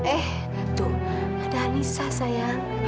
eh tuh ada anissa sayang